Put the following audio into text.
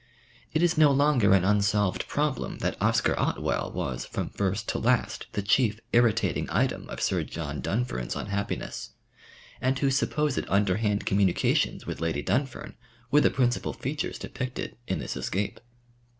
It is no longer an unsolved problem that Oscar Otwell was from first to last the chief irritating item of Sir John Dunfern's unhappiness, and whose supposed underhand communications with Lady Dunfern were the principal features depicted in this escape.